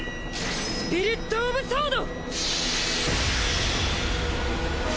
スピリットオブソード！